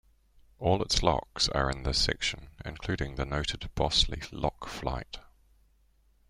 All its locks are in this section, including the noted Bosley Lock Flight.